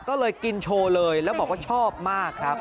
ก็เลยกินโชว์เลยแล้วบอกว่าชอบมากครับ